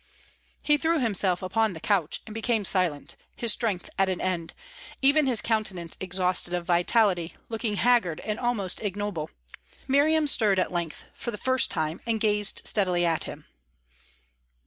He threw himself upon the couch and became silent, his strength at an end, even his countenance exhausted of vitality, looking haggard and almost ignoble. Miriam stirred at length, for the first time, and gazed steadily at him.